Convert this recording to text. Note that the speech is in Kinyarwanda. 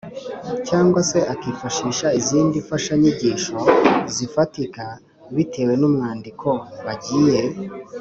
cyangwa se akifashisha izindi fashanyigisho zifatika bitewe n’umwandiko bagiye